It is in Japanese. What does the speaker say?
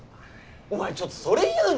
お前ちょっとそれ言うの！？